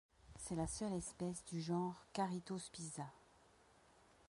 C'est la seule espèce du genre Charitospiza.